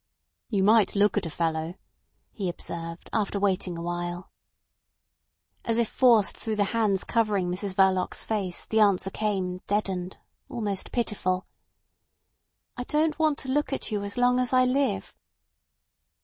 "You might look at a fellow," he observed after waiting a while. As if forced through the hands covering Mrs Verloc's face the answer came, deadened, almost pitiful. "I don't want to look at you as long as I live."